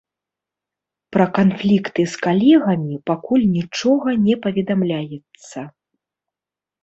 Пра канфлікты з калегамі пакуль нічога не паведамляецца.